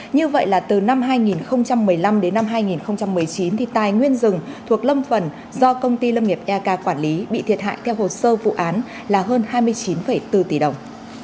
như vậy là từ năm hai nghìn một mươi năm đến năm hai nghìn một mươi chín tài nguyên rừng thuộc lâm phần do công ty lâm nghiệp eak quản lý bị thiệt hại theo hồ sơ vụ án là hơn hai mươi chín bốn tỷ đồng